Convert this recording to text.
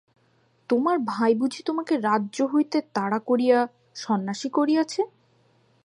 তোমার ভাই বুঝি তোমাকে রাজ্য হইতে তাড়া করিয়া সন্ন্যাসী করিয়াছে।